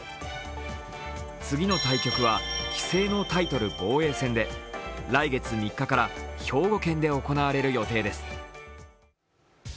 次の対局は棋聖のタイトル防衛戦で、来月３日から兵庫県で行われる予定です。